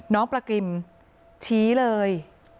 น้องปลากริมชี้เลย